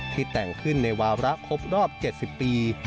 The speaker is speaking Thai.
แต่งขึ้นในวาระครบรอบ๗๐ปี